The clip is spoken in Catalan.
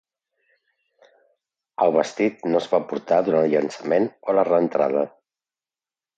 El vestit no es va portar durant el llançament o la reentrada.